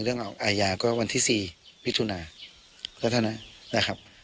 เรื่องอ่ายาก็วันที่สี่พิธุนาแล้วเท่านั้นนะครับ